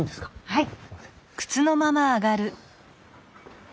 はい。